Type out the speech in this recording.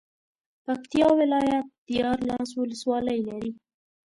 پکتيا ولايت ديارلس ولسوالۍ لري.